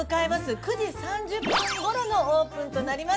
９時３０分ごろのオープンとなります。